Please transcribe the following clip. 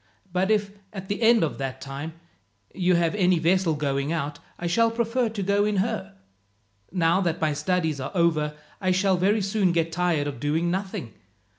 "But if, at the end of that time, you have any vessel going out, I shall prefer to go in her. Now that my studies are over, I shall very soon get tired of doing nothing.